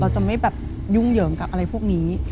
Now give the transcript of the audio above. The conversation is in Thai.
จะไม่แบบยุ่งเหยิงกับอะไรพวกนี้